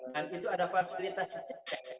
dan itu ada fasilitas ck